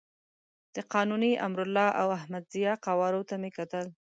د قانوني، امرالله او احمد ضیاء قوارو ته مې کتل.